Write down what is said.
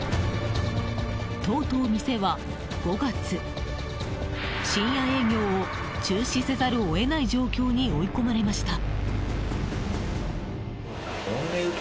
とうとう、店は５月、深夜営業を中止せざるを得ない状況に追い込まれました。